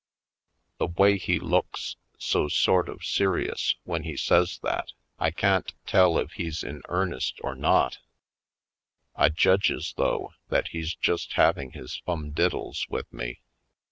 The way he looks — so sort of serious —• when he says that, I can't tell if he's in earn Down Yonder 25 est or not. I judges, though, that he's just having his fumdiddles with me.